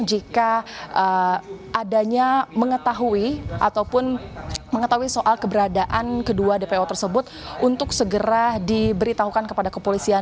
jika adanya mengetahui ataupun mengetahui soal keberadaan kedua dpo tersebut untuk segera diberitahukan kepada kepolisian